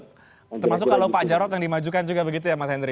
termasuk kalau pak jarod yang dimajukan juga begitu ya mas henry